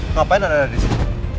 ngapain anda ada disini